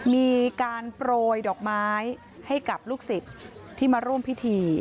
มีการโปรยดอกไม้ให้กับลูกศิษย์ที่มาร่วมพิธี